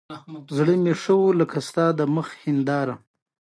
خو بیا به هم دوزخ ته ځې بس پۀ تا خفه يم